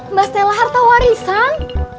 mbak stella harta warisan